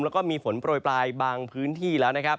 แล้วก็มีฝนโปรยปลายบางพื้นที่แล้วนะครับ